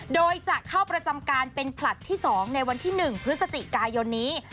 โดยจะเข้าประจำการเป็นผลัดที่๒ในวันที่๑พฤศจิกายนนี้